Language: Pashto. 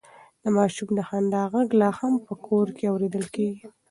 د ماشوم د خندا غږ لا هم په کور کې اورېدل کېږي.